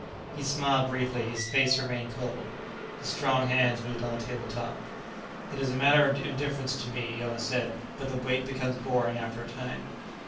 He smiled briefly; his face remained cold. The strong hands moved on the tabletop. "It is a matter of indifference to me," Jonas said. "But the wait becomes boring, after a time."